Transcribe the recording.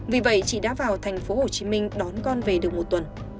vì vậy chị đã vào thành phố hồ chí minh đón con về được một tuần